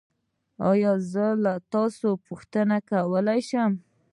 ایا زه له تاسو پوښتنه کولی شم؟